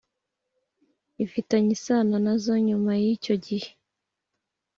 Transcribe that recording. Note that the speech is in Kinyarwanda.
Ifitanye isano nazo nyuma y uko icyo gihe